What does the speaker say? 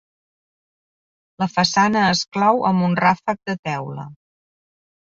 La façana es clou amb un ràfec de teula.